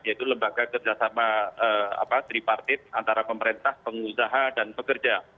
yaitu lembaga kerjasama tripartit antara pemerintah pengusaha dan pekerja